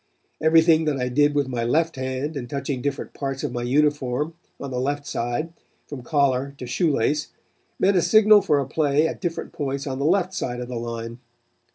Everything that I did with my left hand in touching different parts of my uniform on the left side from collar to shoe lace meant a signal for a play at different points on the left side of the line.